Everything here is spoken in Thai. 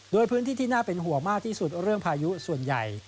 โดยพื้นที่ที่น่าเป็นห่วงมากที่สุดเรื่องพายุส่วนใหญ่